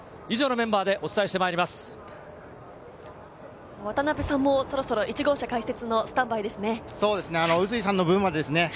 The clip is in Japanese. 以上のメンバーでお伝えしてまい渡辺さんもそろそろ１号車解説のスタンバイですね。